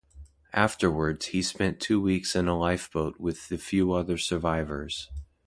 Afterwards, he spent two weeks in a lifeboat with the few other survivors.